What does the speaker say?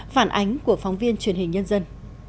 phản ánh của phóng viên truyền hình nhân dân